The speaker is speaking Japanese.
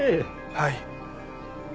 はい。